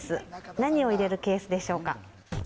何を入れるケースでしょうか。